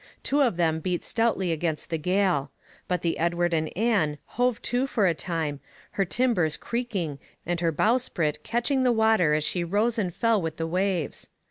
Two of them beat stoutly against the gale, but the Edward and Ann hove to for a time, her timbers creaking and her bowsprit catching the water as she rose and fell with the waves.